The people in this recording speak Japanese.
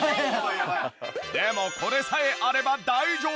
でもこれさえあれば大丈夫！